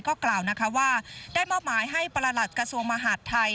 ก็กล่าวนะคะว่าได้มอบหมายให้ประหลัดกระทรวงมหาดไทย